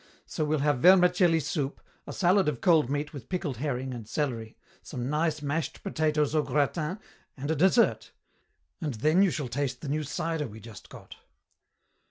So we'll have vermicelli soup, a salad of cold meat with pickled herring and celery, some nice mashed potatoes au gratin, and a dessert. And then you shall taste the new cider we just got."